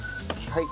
はい。